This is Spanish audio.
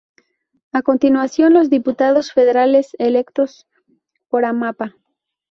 A continuación los diputados federales electos por Amapá.